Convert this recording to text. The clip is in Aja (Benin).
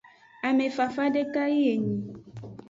Ame fafa deka yi enyi.